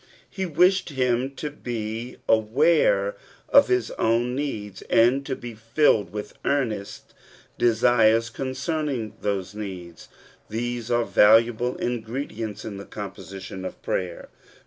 '* He wished him to be aware of his own needs, and to be filled with earnest desires concerning those needs : these are valuable ingredients in the composition of prayer.